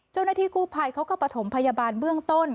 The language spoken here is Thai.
เจ้าหน้าที่กู้ภัยเขาก็ประถมพยาบาลเบื้องต้น